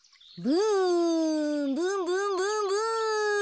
ブンブンブンブン！